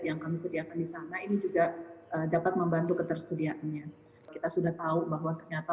yang kami sediakan di sana ini juga dapat membantu ketersediaannya kita sudah tahu bahwa ternyata